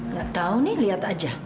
nggak tahu nih lihat aja